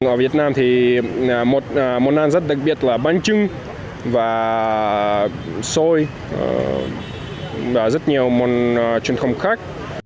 ở việt nam thì một món ăn rất đặc biệt là bánh trưng và xôi và rất nhiều món truyền thống khác